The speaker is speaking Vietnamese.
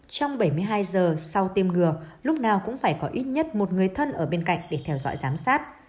trong bảy mươi hai giờ sau tiêm ngừa lúc nào cũng phải có ít nhất một người thân ở bên cạnh để theo dõi giám sát